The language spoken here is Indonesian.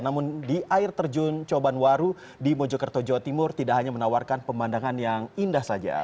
namun di air terjun cobanwaru di mojokerto jawa timur tidak hanya menawarkan pemandangan yang indah saja